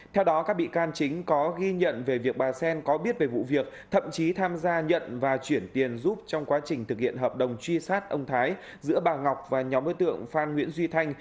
theo đó các bị can chính có ghi nhận về việc bà sen có biết về vụ việc thậm chí tham gia nhận và chuyển tiền giúp trong quá trình thực hiện hợp đồng truy sát ông thái giữa bà ngọc và nhóm đối tượng phan nguyễn duy thanh